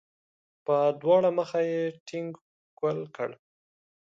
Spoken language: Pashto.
په دواړه مخه یې ټینګ ښکل کړ.